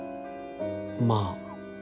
まあ。